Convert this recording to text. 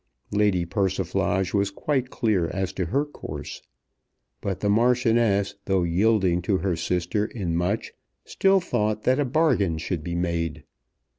Lady Persiflage was quite clear as to her course. But the Marchioness, though yielding to her sister in much, still thought that a bargain should be made.